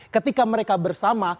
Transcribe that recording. ketika mereka bersama